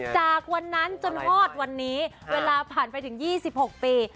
จากวันนั้นจนฮอดวันนี้เวลาผ่านไปถึง๒๖ปี